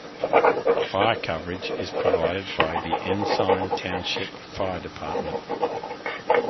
Fire coverage is provided by the Ensign Township Fire Department.